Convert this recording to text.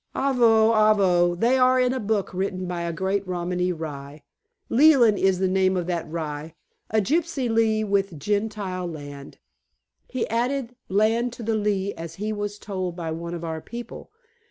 "Avo! Avo! They are in a book written by a great Romany Rye. Leland is the name of that rye, a gypsy Lee with Gentile land. He added land to the lea as he was told by one of our people.